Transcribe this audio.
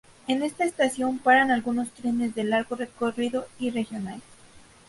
En esta estación paran algunos trenes de largo recorrido y regionales.